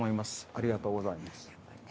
ありがとうございます。